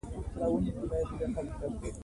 د خربوزو خوږوالی هر څوک خوښوي.